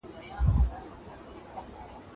دا بوټونه له هغه پاک دي!